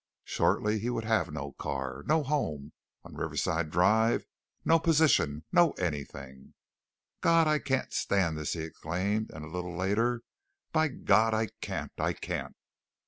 Shortly he would have no car, no home on Riverside Drive, no position, no anything. "God, I can't stand this!" he exclaimed, and a little later "By God, I can't! I can't!"